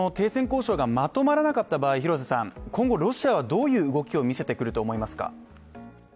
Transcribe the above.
停戦交渉がまとまらなかった場合、今後ロシアはどんな動きを見せてくると思いますか。